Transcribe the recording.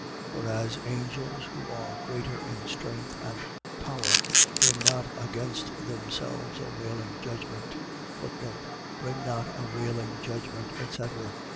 2:11. Whereas angels, who are greater in strength and power, bring not against themselves a railing judgment. Bring not a railing judgment, etc. ..